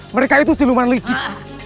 mereka itu siluman licik